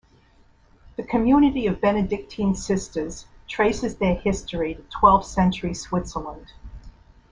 The community of Benedictine sisters traces their history to twelfth-century Switzerland.